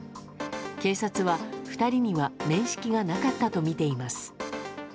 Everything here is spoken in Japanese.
警察は、２人には面識がなかったとみています。